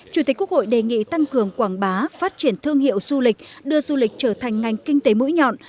chủ tịch quốc hội đề nghị tăng cường quảng bá phát triển thương hiệu du lịch đưa du lịch trở thành ngành kinh tế mũi nhọn